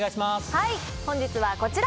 はい本日はこちら。